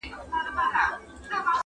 د ژوند په جوارۍ کي مو دي هر څه که بایللي,